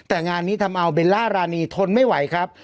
แต่งานนี้ทำเอาเบลล่ารานีทนไม่ไหวครับ